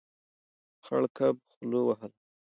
خړ کب خوله وهله.